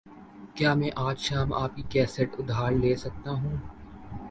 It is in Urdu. کیا میں آج شام آپکی کیسٹ ادھار لے سکتا ہوں؟